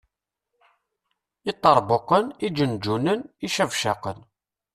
Iṭerbuqen, iǧenǧunen, icabcaqen.